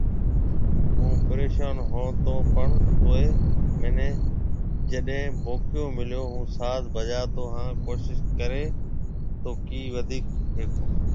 هُون پريشون هوتو پڻ توئي منهي جڏي موقعو ملتو هو ساز بجاتو هان ڪوشش ڪرتو ڪي وڌيڪ ۿيکون